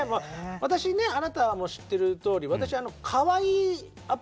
私ねあなたも知ってるとおり私かわいいアピール好きですから。